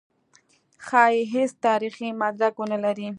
ښايي هېڅ تاریخي مدرک ونه لري.